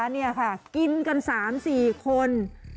นี่ค่ะกินกัน๓๔คน